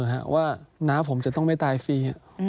แนะผมจะต้องไม่ตายฟรี